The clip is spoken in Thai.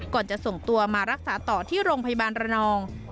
ก่อนจะส่งตัวมารักษาต่อที่โรงพยาบาลระนอง